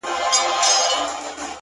هو زه پوهېږمه! خیر دی یو بل چم وکه!